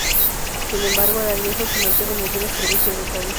Sin embargo la alianza se mantuvo en algunas provincias del país.